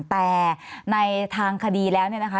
แต่ในทางคดีแล้วเนี่ยนะคะ